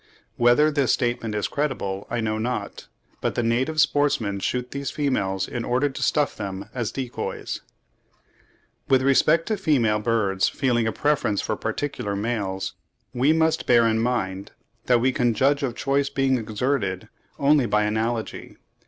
Whether this statement is credible, I know not; but the native sportsmen shoot these females in order to stuff them as decoys. (32. Quoted in Lloyd's 'Game Birds of Sweden,' p. 345.) With respect to female birds feeling a preference for particular males, we must bear in mind that we can judge of choice being exerted only by analogy.